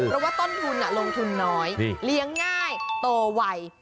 เพราะต้นธุลลงถุนน้อยเลี้ยงง่ายโตใหม่